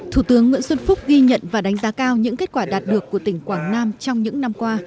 thủ tướng nguyễn xuân phúc ghi nhận và đánh giá cao những kết quả đạt được của tỉnh quảng nam trong những năm qua